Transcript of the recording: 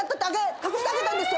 隠してあげたんですよ。